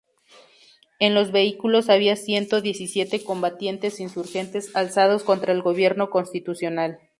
En los vehículos había ciento diecisiete combatientes insurgentes alzados contra el gobierno constitucional.